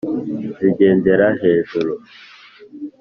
zigendera hejuru,